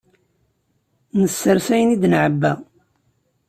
Nessers ayen id-nɛebba.